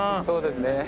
そうですね。